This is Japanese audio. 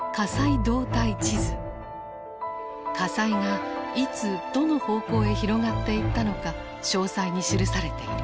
火災がいつどの方向へ広がっていったのか詳細に記されている。